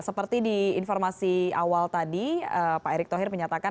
seperti di informasi awal tadi pak erick thohir menyatakan